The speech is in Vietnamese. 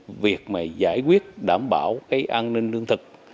cho nên là cái việc mà giải quyết đảm bảo cái an ninh lương thực